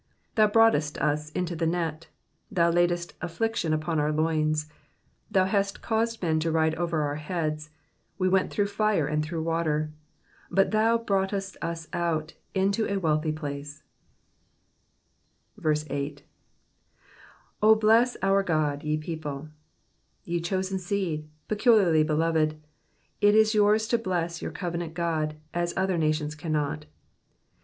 1 1 Thou broughtest us into the net ; thou laidst affliction upon our loins. 12 Thou hast caused men to ride over our heads ; we went through fire and through water : but thou broughtest us out into a wealthy place, 8. 0 5&M OUT Ood^ ye peopled Ye chosen seed, peculiarly beloved, it is yours to bless your covenant God as other nations cannot.